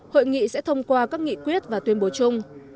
hội nghị sẽ thông qua các nghị quyết và tuyên bố chung